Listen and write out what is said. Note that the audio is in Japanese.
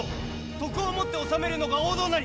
徳をもって治めるのが王道なり！